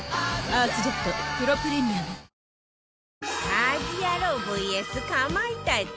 家事ヤロウ ＶＳ かまいたち